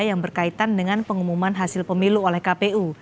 yang berkaitan dengan pengumuman hasil pemilu oleh kpu